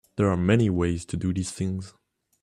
There are many ways to do these things.